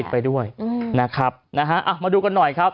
ติดไปด้วยนะครับมาดูกันหน่อยครับ